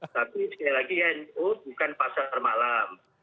tapi sekali lagi ngo bukan pasar malam